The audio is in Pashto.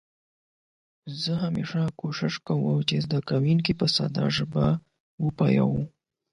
زه همېشه کوښښ کوم چې زده کونکي په ساده ژبه وپوهوم.